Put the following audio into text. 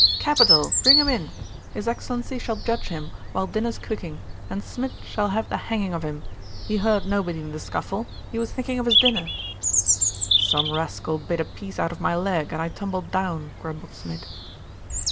'Capital! bring him in. His Excellency shall judge him while dinner's cooking' and Smid shall have the hanging of him. He hurt nobody in the scuffle; he was thinking of his dinner.' 'Some rascal bit a piece out of my leg, and I tumbled down,' grumbled Smid.